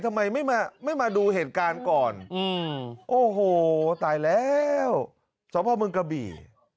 ทำไมไม่มาดูเหตุการณ์ก่อนโอ้โหตายแล้วสพเมืองกระบี่